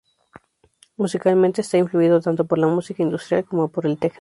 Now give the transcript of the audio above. Musicalmente, está influido tanto por la música industrial como por el techno.